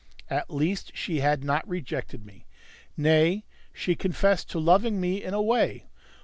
At least she had not rejected me; nay, she confessed to loving me in a way.